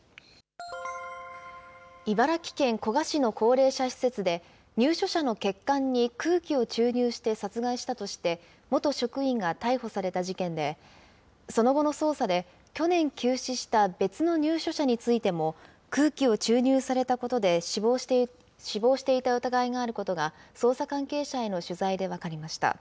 茨城県古河市の高齢者施設で、入所者の血管に空気を注入して殺害したとして、元職員が逮捕された事件で、その後の捜査で、去年急死した別の入所者についても、空気を注入されたことで死亡していた疑いがあることが、捜査関係者への取材で分かりました。